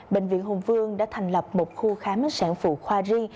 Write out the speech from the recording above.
bệnh viện hùng vương đã thành lập một khu khám sản phụ khoa riêng